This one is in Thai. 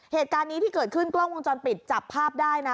เหตุการณ์นี้ที่เกิดขึ้นกล้องวงจรปิดจับภาพได้นะ